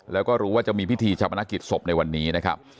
แล้วก็รู้ว่าจะมีพิธีชาปนกิจศพในวันนี้นะครับ